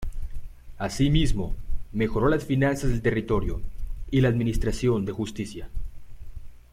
Así mismo, mejoró las finanzas del territorio y la administración de justicia.